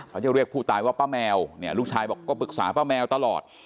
เขาจะเรียกผู้ตายว่าป้าแมวเนี่ยลูกชายบอกก็ปรึกษาป้าแมวตลอด